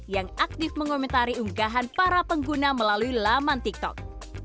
yang aktif mengomentari unggahan para pengguna melalui laman tiktok